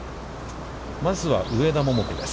まずは上田桃子です。